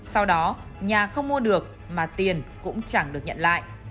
sau đó nhà không mua được mà tiền cũng chẳng được nhận lại